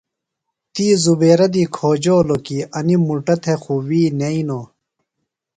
تی زبیرہ دی کھوجولوۡ کی انیۡ مُٹوم تھےۡ خُوۡ وی نئینوۡ۔